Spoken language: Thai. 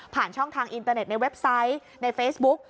ช่องทางอินเตอร์เน็ตในเว็บไซต์ในเฟซบุ๊ก